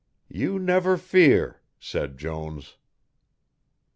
"You never fear," said Jones.